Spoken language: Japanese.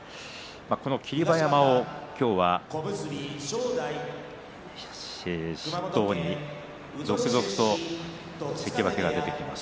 この霧馬山を筆頭に続々と関脇が出てきます。